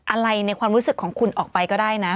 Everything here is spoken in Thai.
อะไรในความรู้สึกของคุณออกไปก็ได้นะ